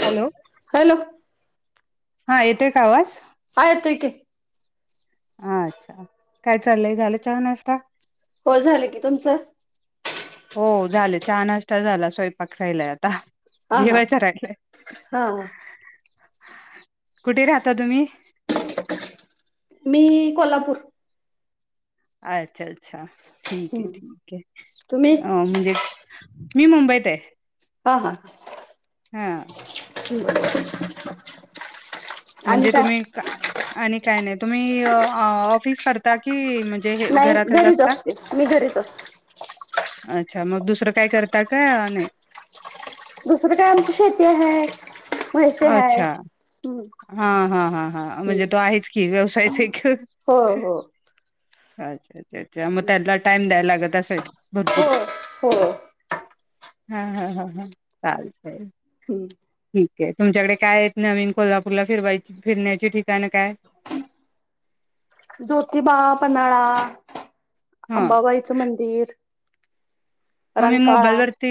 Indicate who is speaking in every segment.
Speaker 1: Hello
Speaker 2: hello
Speaker 1: हा येतोय का आवाज
Speaker 2: हा येतोय की
Speaker 1: अच्छा काय चाललंय झालं चहा नश्ता
Speaker 2: हो झालं की तुमचं
Speaker 1: हो झाले चहा नाश्ता झाला स्वयंपाक रायलाय आता
Speaker 2: हा हा
Speaker 1: जेवायचा राहिलाय
Speaker 2: हा हा
Speaker 1: कुठे राहता तुम्ही
Speaker 2: मी कोल्हापूर
Speaker 1: अच्छा अच्छा ठीक आहे
Speaker 2: हम्म
Speaker 1: ठीक आहे
Speaker 2: तुम्ही
Speaker 1: अ म्हणजे मी मुंबईत आहे
Speaker 2: हा हा
Speaker 1: हा
Speaker 2: [unintelligible]
Speaker 1: म्हणजे तुम्ही आणि काय नाही तुम्ही ऑफिस करता की म्हणजे हे
Speaker 2: नाही
Speaker 1: घरातच
Speaker 2: घरीच
Speaker 1: असता
Speaker 2: असते मी घरीच असते
Speaker 1: अच्छा मग दुसरं काय करतात का नाही
Speaker 2: दुसरं काय आमची शेती आहे म्हैशे
Speaker 1: अच्छा
Speaker 2: हायत
Speaker 1: हा हा हा हा म्हणजे तो आहेच कि व्यवसायच हाय की
Speaker 2: हो हो
Speaker 1: अच्छा अच्छा अच्छा मग त्याला टाइम द्यायला लागत असल भरपूर
Speaker 2: हो हो
Speaker 1: हा हा हा हा चालतय
Speaker 2: हम्म
Speaker 1: ठीक आहे तुमच्याकडे काय आहेत नवीन कोल्हापूरला फिरवायची फिरण्याची ठिकाणं काय
Speaker 2: ज्योतिबा पन्हाळा
Speaker 1: हा
Speaker 2: अंबाबाईचं मंदिर
Speaker 1: हा मी
Speaker 2: रंकाळा
Speaker 1: मोबाईल वरती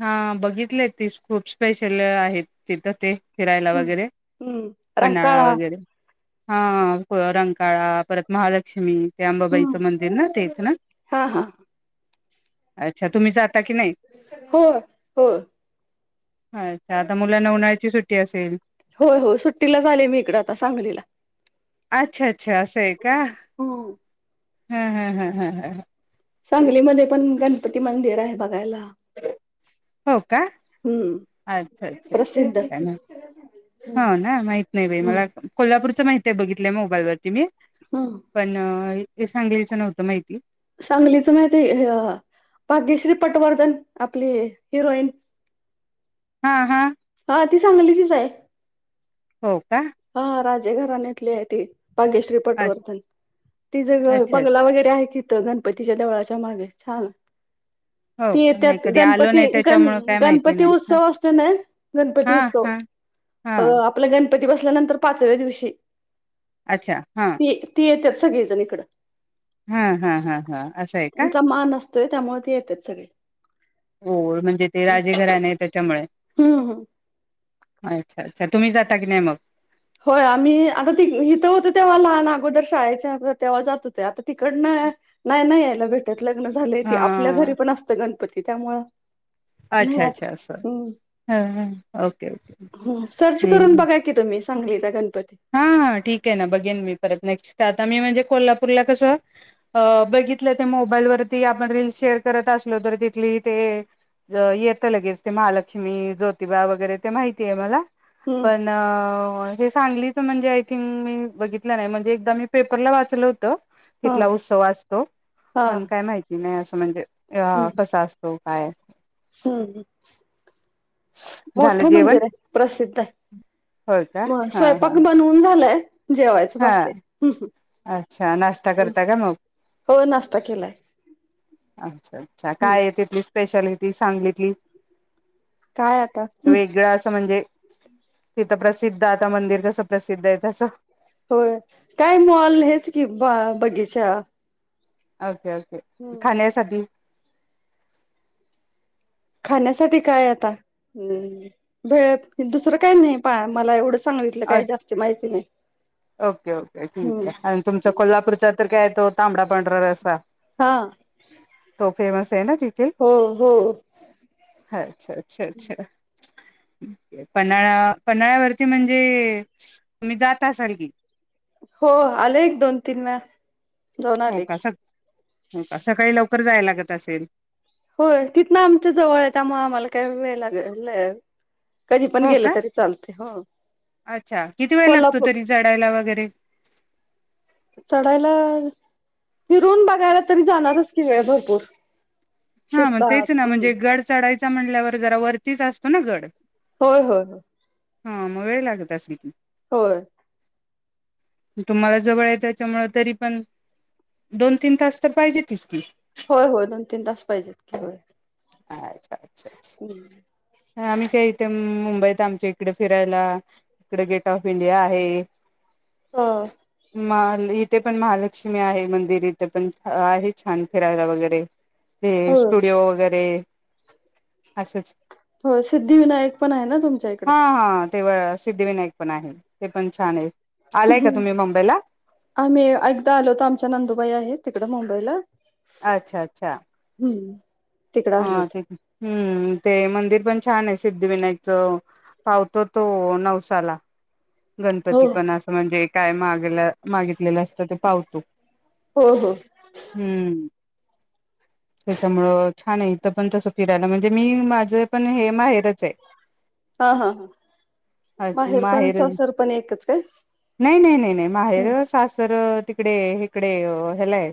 Speaker 1: हा बघितले ती खूप स्पेशल आहेत तिथं ते फिरायला
Speaker 2: हम्म
Speaker 1: वगैरे
Speaker 2: हम्म
Speaker 1: पन्हाळा
Speaker 2: रंकाळा
Speaker 1: वगैरे हा रंकाळा परत महालक्ष्मी ते
Speaker 2: हम्म
Speaker 1: अंबाबाईचं मंदिर ना तेच ना
Speaker 2: हा हा
Speaker 1: अच्छा तुम्ही जाता की नाही
Speaker 2: हो हो होय
Speaker 1: अच्छा आता मुलांना उन्हाळ्याची सुट्टी असेल
Speaker 2: हो हो सुट्टीलाच आले मी इकडं आता सांगलीला
Speaker 1: अच्छा अच्छा असं आहे का
Speaker 2: हम्म.
Speaker 1: ह ह ह ह ह
Speaker 2: सांगलीमध्ये पण गणपती मंदिर आहे बघायला
Speaker 1: हो का अच्छा
Speaker 2: हम्म
Speaker 1: अच्छा
Speaker 2: प्रसिद्ध
Speaker 1: काय नाही हो ना माहत नाही बाई मला अस कोल्हापूरचं माहिती आहे बघितलं मोबाईलवररती मी
Speaker 2: हम्म
Speaker 1: पण हे सांगलीचं नव्हतं माहिती
Speaker 2: सांगलीच माहितीय हे भाग्यश्री पटवर्धन आपली हिरोईन
Speaker 1: हा हा
Speaker 2: हा ती सांगलीचीच आहे
Speaker 1: हो का
Speaker 2: हा राजे घरण्यातली आहे ती भाग्यश्री
Speaker 1: अ
Speaker 2: पटवर्धन तिज घ
Speaker 1: अच्छा
Speaker 2: बंगला वगैरे आहे कि त गणपतीच्या देवळाच्या मागे छान
Speaker 1: हो
Speaker 2: ते
Speaker 1: का नाही
Speaker 2: त्यात
Speaker 1: कधी आलो
Speaker 2: गणपती
Speaker 1: नाही
Speaker 2: गण
Speaker 1: त्याच्यामुळं काय माहिती
Speaker 2: गणपती
Speaker 1: नाही हा
Speaker 2: उत्सव असतोय नाई गणपती उत्सव अ
Speaker 1: हां
Speaker 2: आपला गणपती बसल्यानंतर पाचव्या दिवशी
Speaker 1: अच्छा हा
Speaker 2: ती येत सगळीजण इकड
Speaker 1: हा हा हा हा असं आहे का
Speaker 2: त्यांचा मान असत य त्यामुळे ते येतात सगळी
Speaker 1: हो म्हणजे ते राजे घराणे आहे त्याच्यामुळे
Speaker 2: हम ह
Speaker 1: अच्छा अच्छा तुम्ही जाता की नाही मग
Speaker 2: होय आम्ही आता त इथं होतो तेव्हा लहान अगोदर शाळेच्या अगोदर तेव्हा जात होतो आता तिकडनं नाही नाही यायला भेटत लग्न झालंय ती
Speaker 1: हा
Speaker 2: आपल्या घरी पण असतं गणपती त्यामुळं नाही
Speaker 1: अच्छा अच्छा
Speaker 2: आता
Speaker 1: असं
Speaker 2: हम्
Speaker 1: ह ओके ओके
Speaker 2: ह सर्च करून
Speaker 1: ओके
Speaker 2: बघा की की तुम्ही सांगलीचा गणपती
Speaker 1: हा ठीक आहे ना बघेन मी परत नेक्स्ट आता मी म्हणजे कोल्हापूरला कसं अ बघितलं ते मोबाईलवरती आपण रीलस शेअर करत असलो तर तिथली ते येतं लगेच ते महालक्ष्मी ज्योतिबा वगैरे ते माहिती आहे मला
Speaker 2: हम्म
Speaker 1: पण हे सांगली म्हणजे आय थिंक मी बघितलं नाही म्हणजे एकदा मी पेपरला वाचलं होतं
Speaker 2: हा
Speaker 1: तिथला उत्सव असतो
Speaker 2: हा
Speaker 1: पण काय माहिती नाही असं म्हणजे अ कसा असतो हो काय
Speaker 2: हम्
Speaker 1: झालं
Speaker 2: मोठं
Speaker 1: जेवण
Speaker 2: मंदिर आहे प्रसिद्ध आहे
Speaker 1: होय का
Speaker 2: म
Speaker 1: हा हा
Speaker 2: स्वयंपाक बनव पण झालंय जेवायचं
Speaker 1: हा
Speaker 2: बाकी य
Speaker 1: अच्छा नाश्ता करता का मग
Speaker 2: हो नाश्ता केलाय
Speaker 1: अच्छा अच्छा
Speaker 2: हम्म
Speaker 1: काय आहे तिथली स्पेशलिटी सांगितली
Speaker 2: काय आता
Speaker 1: वेगळं असं म्हणजे तिथं प्रसिद्ध आता मंदिर कसं प्रसिद्ध आहे तसं
Speaker 2: होय काय मॉल हेच की बा बगीचा
Speaker 1: ओके ओके खाण्यासाठी
Speaker 2: खाण्यासाठी काय आता हम् भेळ दुसरं काही नाही पा मला एवढं सांगलीतलं काही
Speaker 1: अच्छा
Speaker 2: जास्त माहिती नाही
Speaker 1: ओके ओके ठीक
Speaker 2: हम्म
Speaker 1: आहे आणि तुमचा कोल्हापूरचा तर काय य तो तांबडा पांढर रसा
Speaker 2: हा
Speaker 1: तो फेमस आहे ना तिथे
Speaker 2: हो हो
Speaker 1: ह अच्छा अच्छा अच्छा पन्हाळा पन्हाळ्यावरती म्हणजे तुम्ही जात असाल की
Speaker 2: हो आलं एक दोन तीन वेळा जाऊन
Speaker 1: हो
Speaker 2: आले
Speaker 1: का
Speaker 2: की
Speaker 1: सक हो सकाळी लवकर जाय लागत असेल
Speaker 2: होय तिथनं आमच्या जवळ आहे त्यामुळे आम्हाला काही वेळ लाग [unintelligible] कधी पण
Speaker 1: हो
Speaker 2: गेलं
Speaker 1: का
Speaker 2: तरी चालते हो
Speaker 1: अच्छा किती वेळ लागतो
Speaker 2: कोल्हापूर
Speaker 1: तरी चढायला वगैरे
Speaker 2: चढायला फिरून बघायला तरी जाणारच की वेळ भरपूर
Speaker 1: हा मग
Speaker 2: शिस्तात
Speaker 1: तेच ना
Speaker 2: हम्म
Speaker 1: म्हणजे गड चढायचा म्हणल्यावर जरा वरतीच असतो ना गड
Speaker 2: होय होय हो
Speaker 1: हा मग वेळ लागत असेल की
Speaker 2: होय
Speaker 1: [inaudible] तुम्हाला जवळ आहे त्याच्यामुंळ तरी पण दोन तीन तास तर पाहिजेतच की
Speaker 2: होय हो दोन तीन तास पाहिजेत होय.
Speaker 1: अच्छा अच्छा अच्छा
Speaker 2: हम्
Speaker 1: आम्ही का इथे मुंबईत आमच्या इकडे फिरायला. इकडे गेट ऑफ इंडिया आहे.
Speaker 2: हा
Speaker 1: म इथे पण महालक्ष्मी आहे मंदिर इथे पण आहे छान फिरायला वगैरे ते
Speaker 2: हो
Speaker 1: स्टुडिओ वगैरे असंच.
Speaker 2: हो सिद्धविनायक पण आहे ना तुमच्या इकडे
Speaker 1: हा हा तेव सिद्धिविनायक पण आहे ते पण छान आहे आलाय का तुम्ही मुंबईला
Speaker 2: आम्ही एकदा आलो होतो आमच्या नंदुबाई आहे तिकडं मुंबईला
Speaker 1: अच्छा अच्छा
Speaker 2: हम्म तिकडे
Speaker 1: ह
Speaker 2: आलो होतो
Speaker 1: ते हम्म ते मंदिर पण छान आहे सिद्धिविनायकचं पावतो तो नवसाला
Speaker 2: हो
Speaker 1: गणपती पण असं म्हणजे काय मागेलं.. मागितलेलं असत ते पावतो.
Speaker 2: हो हो
Speaker 1: हम्म त्याच्यामुळं छान आहे इथं पण तसं फिरायला म्हणजे मी माझं पण हे माहेरच आहे. ह
Speaker 2: हा हा हा माहेर पण सासर पण एकच काय?
Speaker 1: नाही नाही नाही नाही माहेर सासर तिकडे इकडे ह्यालाय.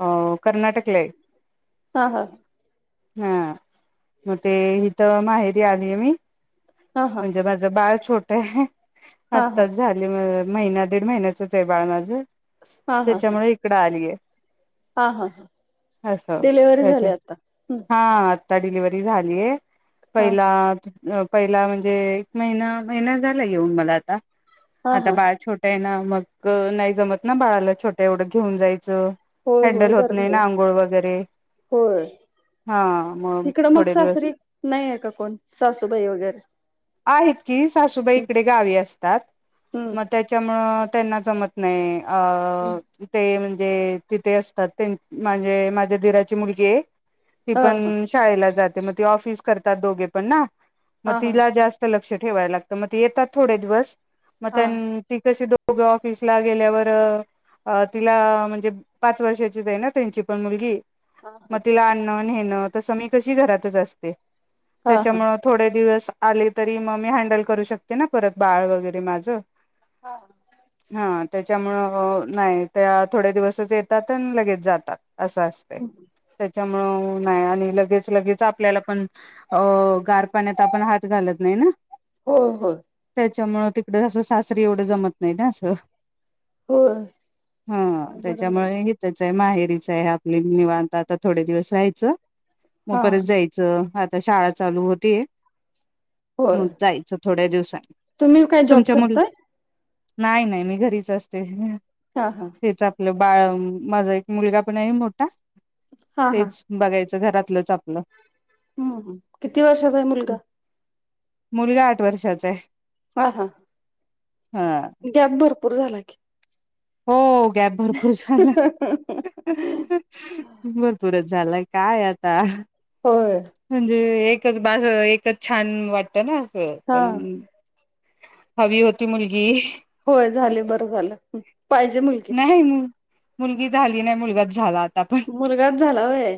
Speaker 1: अ कर्नाटकला आहे.
Speaker 2: हा ह
Speaker 1: हा मग ते इथ माहेरी आलीय मी,
Speaker 2: हा हा.
Speaker 1: म्हणजे माझ बाळ छोट
Speaker 2: हा हा
Speaker 1: आताच झाली म महिना दीड महिन्याचच आहे बाळ माझं
Speaker 2: हा हा हा
Speaker 1: त्याच्यामुळे इकडे आले आहे
Speaker 2: हा हा हा
Speaker 1: अससा
Speaker 2: डिलिव्हरी
Speaker 1: अच
Speaker 2: झाली आता
Speaker 1: हा आता डिलिव्हरी झालीय
Speaker 2: हा
Speaker 1: पहिला.
Speaker 2: हा.
Speaker 1: पहिला म्हणजे एक महिना महिना झाला येऊन मला आता
Speaker 2: हा
Speaker 1: आता
Speaker 2: हा
Speaker 1: बाळ छोट ना मग नाही जमत ना बाळाला छोटं एवढं घेऊन जायचं.
Speaker 2: होय
Speaker 1: हँडल
Speaker 2: होय
Speaker 1: होत नाही
Speaker 2: गरमी
Speaker 1: ना आंघोळ वगैरे
Speaker 2: होय.
Speaker 1: हा मग
Speaker 2: तिकडं मग
Speaker 1: थोडे दिवस
Speaker 2: सासरी नाही आहे का कोण सासूबाई वगैरे
Speaker 1: आहेत की सासूबाई इकडे गावी असतात
Speaker 2: हम्म
Speaker 1: म त्याच्यामुं त्यांना जमत नाही अ ते म्हणजे तिथे असतात म्हणजे माझ्या दिराची मुलगी आहे ती
Speaker 2: हा
Speaker 1: पण
Speaker 2: हा
Speaker 1: शाळेला जातात दोघे पण मग
Speaker 2: हा हा
Speaker 1: त लक्ष ठेवायला लागत येतात थोडे दिवस मग
Speaker 2: हा
Speaker 1: त्यां ती कशी दोघं ऑफिसला गेल्यावर अ तिला म्हणजे पाच वर्षाचीच आहे ना त्यांची पण मुलगी मग तिला आणणं नेणं तसं मी कशी घरातच असते
Speaker 2: हा हा हा
Speaker 1: त्याच्यामु थोडे दिवस आले तरी मग मी हँडल करू शकते ना परत बाळ वगैरे माझं
Speaker 2: हा.
Speaker 1: हा त्याच्यामुळं नाही त्या थोड्या दिवसच येतात आणि लगेच जातात. असं असत त्याच्यामुळं नाही आणि लगेच लगेच आपल्याला पण अ गार पाण्यात आपण हात घालत नाही ना..
Speaker 2: हो हो.
Speaker 1: त्याच्यामुळं तिकडं असं सासरी एवढं जमत नाही ना असं.
Speaker 2: होय
Speaker 1: हा
Speaker 2: बरोबर आहे
Speaker 1: त्याच्यामुळे त्याच आहे माहेरीच आहे आपली निवांता आता थोडे दिवस राहायचं मग
Speaker 2: हा
Speaker 1: परत जायचं. आता शाळा चालू होती
Speaker 2: होय
Speaker 1: मग जायचं थोडं दिवसांनी
Speaker 2: तुम्ही काय जॉब
Speaker 1: तुमच्या मुलं
Speaker 2: करताय
Speaker 1: नाही नाही मी घरीच असते.
Speaker 2: हा हा
Speaker 1: तेच आपलं बाळ माझा एक मुलगा पण आहे मोठा
Speaker 2: हा हा
Speaker 1: तेच. बघायचं घरातलंच आपलं.
Speaker 2: हम्म किती वर्षाचा आहे मुलगा.
Speaker 1: मुलगा आठ वर्षाचा आहे.
Speaker 2: हा हा.
Speaker 1: हम.
Speaker 2: कॅप भरपूर झाला की.
Speaker 1: हो गॅब भरपूर झाला. भरपूरच झालाय काय आता.
Speaker 2: होय.
Speaker 1: म्हणजे एकच बाज एकच छान वाटत ना असं
Speaker 2: हा
Speaker 1: पण. हवी होती मुलगी..
Speaker 2: होय झाले बरं झालं पाहिजे मुलगी..
Speaker 1: नाही.. मुलगी झाली नाही मुलगाच झालात..
Speaker 2: मुलगाच झाला वय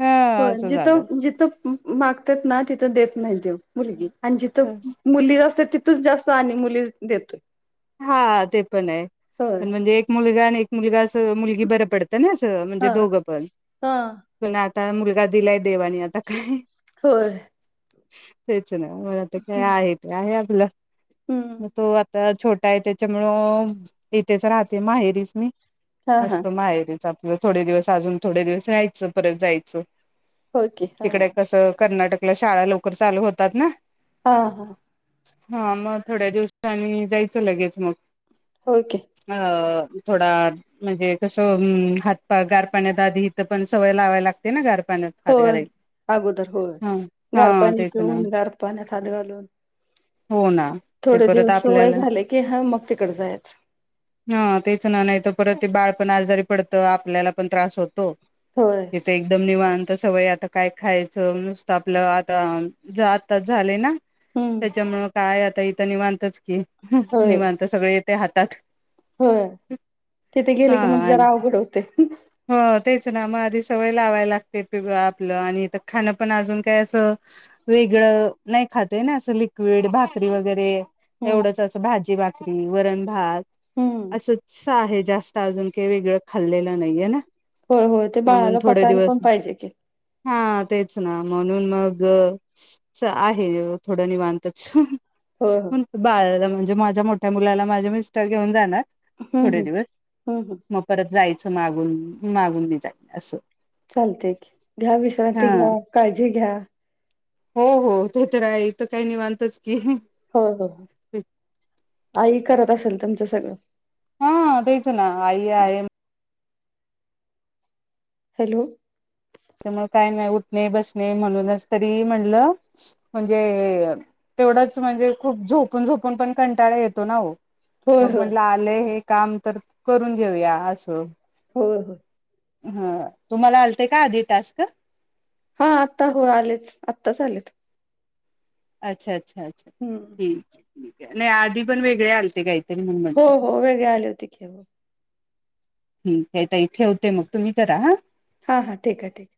Speaker 1: ह
Speaker 2: पण
Speaker 1: असं झालं.
Speaker 2: जिथं जिथं.. मागतात ना तिथं देत नाही दे मुलगी आणि जिथं.. मुली जा असत तिथच जास्त आणि मुली देतोय..
Speaker 1: हा ते पण आहे
Speaker 2: होय
Speaker 1: पण म्हणजे एक मुलगा आणि एक मुलगा अस मुलगी बर पडत.. ना असं म्हणजे
Speaker 2: हा
Speaker 1: दोघं पण
Speaker 2: हा
Speaker 1: पण आता मुलगा दिलाय देवानी आता काय..
Speaker 2: होय.
Speaker 1: तेच नाही मलाता काय आहे ते आहे आपलं मग
Speaker 2: हम्म
Speaker 1: तो आता छोट.. काय त्याच्यामुळं येथेच राहते माहेरीच मी
Speaker 2: हा हा
Speaker 1: असतो माहेरी.. आपलं थोडे दिवस अजून थोडे दिवस राहायचं परत जायचं..
Speaker 2: होके हा
Speaker 1: तिकडे कसं कर्नाटकला शाळा लवकर चालू होतात ना..
Speaker 2: हा हा.
Speaker 1: हा मग थोड्या दिवसानी जायचं लगेच मग..
Speaker 2: होके.
Speaker 1: अ थोडा.. म्हणजे कसं हात गार पाण्यात आधी इथं पण सवय लावाय लागते ना गार पाण्यात. हात
Speaker 2: होय
Speaker 1: घालायची
Speaker 2: अगोदर होय
Speaker 1: हा
Speaker 2: गार
Speaker 1: हा
Speaker 2: पाणी
Speaker 1: तेच ना
Speaker 2: पिऊन गार पाण्यात हात घालून..
Speaker 1: हो ना.. ते
Speaker 2: थोडे
Speaker 1: परत
Speaker 2: दिवस सवय
Speaker 1: आपल्याला
Speaker 2: झाले की हा मग तिकडडे जायच..
Speaker 1: हा तेच ना नाही तर परत ते बाळ पण आजारी पडतं आपल्याला पण त्रास होतो.
Speaker 2: होय..
Speaker 1: तथे एकदम निवांत सवय आता काय खायचं नुसतं आपलं आता. जातात झाले ना.
Speaker 2: हम्म
Speaker 1: त्याच्यामुळं काय आता इथं निवांतच की निवांत सगळे इथे हातात.
Speaker 2: हो तिथे गेले की मग
Speaker 1: हा
Speaker 2: जरा अवघड होते.
Speaker 1: हो तेच ना मग आधी सवय लावायला लागते आपलं आणि तर खाणं पण अजून काय असं. वेगळं नाही खातय ना असं लिक्विड भाकरी वगैरे.
Speaker 2: हम्म
Speaker 1: एवढंच अस भाजी भाकरी वरण भात
Speaker 2: हम्म
Speaker 1: असंच. आहे जास्त अजून काही वेगळं खाल्लेलं नाहीये ना.
Speaker 2: होय होय ते
Speaker 1: म्हणून
Speaker 2: बाळाला
Speaker 1: थोडे
Speaker 2: पचायला पण
Speaker 1: दिवस
Speaker 2: पाहिजे की.
Speaker 1: हा तेच ना म्हणून मग. आहे थोडं नि मानतच.
Speaker 2: हो हो.
Speaker 1: बाळाला म्हणजे माझ्या मोठ्या मुलाला माझे मिस्टर घेऊन जाणार
Speaker 2: हम्म
Speaker 1: थोडे
Speaker 2: हम्म
Speaker 1: दिवस
Speaker 2: हम्म हम्म
Speaker 1: मग. परत जायचं मागून मागून मी जाई असं.
Speaker 2: चालते घ्या
Speaker 1: हा
Speaker 2: विश्रांती घ्या काळजी घ्या.
Speaker 1: हो हो ते तर आहे तर काही नाही मानतच की.
Speaker 2: हो हो आई करत असेल तुमचं सगळं.
Speaker 1: च ना आई आहे.
Speaker 2: हॅलो.
Speaker 1: त्यामुळे काय नाही उठणे बसणे म्हणूनच तरी म्हटलं. म्हणजे तेवढंच म्हणजे खूप झोपून झोपून पण कंटाळा येतो ना हो.
Speaker 2: होय
Speaker 1: मग
Speaker 2: होय
Speaker 1: म्हटलं आले हे काम तर करून घेऊया असं.
Speaker 2: हो हो.
Speaker 1: ह तुम्हाला आलते का आधी टास्क.
Speaker 2: हा आत्ता हो आलेच आत्ताच आलेत.
Speaker 1: अच्छा अच्छा अच्छा
Speaker 2: हम्म
Speaker 1: ठीकठी नाही आधी पण वेगळे आलते काही
Speaker 2: हो हो वेगळे आले होते खेव
Speaker 1: ठीक आहे तर इथे होते मग तुम्ही तर राहा
Speaker 2: हां हां ठीक आहे ठीक आहे